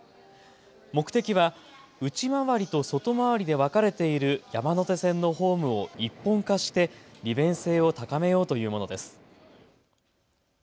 目的は内回りと外回りで分かれている山手線のホームを一本化して利便性を高めようというものです。